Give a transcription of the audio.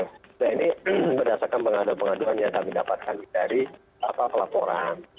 nah ini berdasarkan pengaduan pengaduan yang kami dapatkan dari pelaporan